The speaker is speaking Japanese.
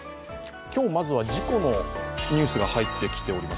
今日、まずは事故のニュースが入ってきています。